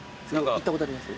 行ったことあります？